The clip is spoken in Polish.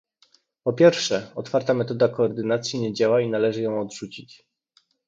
Po pierwsze, otwarta metoda koordynacji nie działa i należy ją odrzucić